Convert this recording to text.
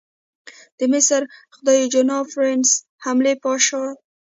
د مصر خدیو جناب پرنس حلمي پاشا.